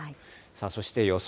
そして予想